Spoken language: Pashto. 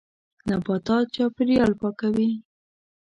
نباتات چاپېریال پاکوي.